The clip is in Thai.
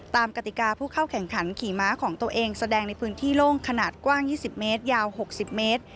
กติกาผู้เข้าแข่งขันขี่ม้าของตัวเองแสดงในพื้นที่โล่งขนาดกว้าง๒๐เมตรยาว๖๐เมตร